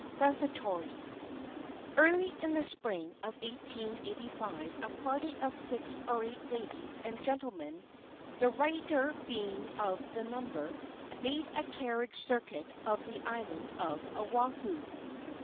PREFATORY. Early in the spring of 1885 a party of six or eight ladies and gentlemen the writer being of the number made a carriage circuit of the island of Oahu.